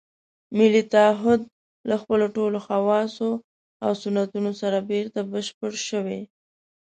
ملي تعهُد له خپلو ټولو خواصو او سنتونو سره بېرته بشپړ شوی.